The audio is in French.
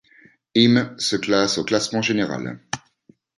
Im se classe au classement général.